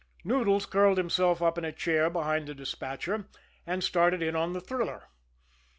Noodles curled himself up in a chair behind the despatcher and started in on the thriller.